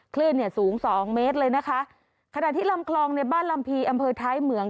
คลื่นเนี่ยสูงสองเมตรเลยนะคะขณะที่ลำคลองในบ้านลำพีอำเภอท้ายเหมือง